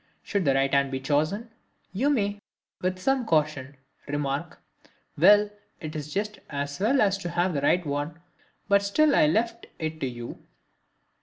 Should the right hand be chosen, you may, with some caution, remark: "Well, it's just as well as to have the right one, but still I left it to you."